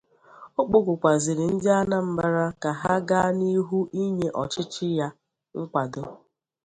Ọ kpọkukwazịrị ndị Anambra ka ha gaa n'ihu inye ọchịchị ya nkwàdo